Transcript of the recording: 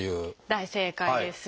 大正解です。